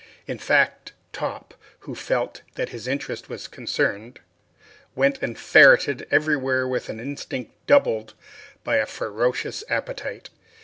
In fact, Top, who felt that his interest was concerned went and ferreted everywhere with an instinct doubled by a ferocious appetite.